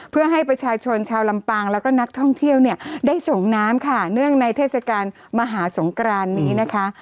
เพื่อให้ประชาชนชาวลำปางแล้วก็นักท่องเที่ยวเนี่ยได้ส่งน้ำค่ะเนื่องในเทศกาลมหาสงกรานนี้นะคะ